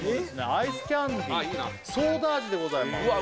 アイスキャンデーソーダ味でございますうわ